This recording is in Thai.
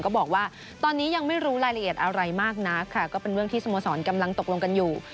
ก็บอกว่าตอนนี้ยังไม่รู้รายละเอียดอะไรมากนักค่ะก็เป็นเรื่องที่สโมสรกำลังตกลงกันอยู่